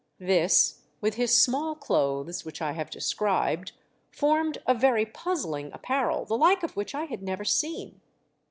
This, with his small clothes which I have described, formed a very puzzling apparel, the like of which I had never seen.